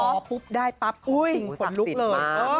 พอปุ๊บได้ปั๊บจริงขนลุกเลย